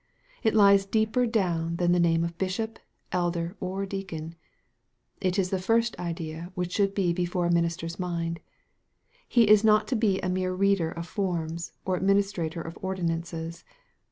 It lies deeper down than the name of bishop, elder, or deacon. It is the first idea which should be before a minister's mind. He is not to be a mere reader of forms, or ad ministrator of ordinances.